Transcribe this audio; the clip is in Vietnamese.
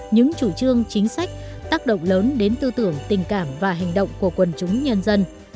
những chủ trương chính sách tác động lớn đến tư tưởng tình cảm và hành động của quần chúng nhân dân